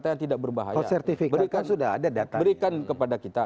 yang tidak berbahaya berikan kepada kita